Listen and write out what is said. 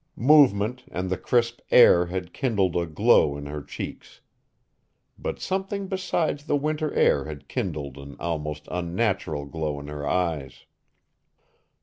Movement and the crisp air had kindled a glow in her cheeks. But something besides the winter air had kindled an almost unnatural glow in her eyes.